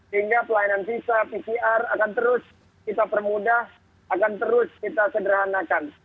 sehingga pelayanan visa pcr akan terus kita permudah akan terus kita sederhanakan